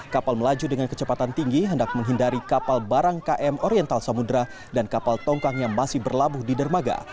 kapal melaju dengan kecepatan tinggi hendak menghindari kapal barang km oriental samudera dan kapal tongkang yang masih berlabuh di dermaga